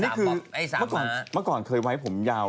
นี้คือตอนข่วก่อนเคยไว้ผมยาว